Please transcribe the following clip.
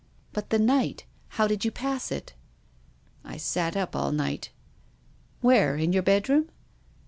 " But the night ? How did you pass it ?"" I sat up all night." " Where ? In your bedroom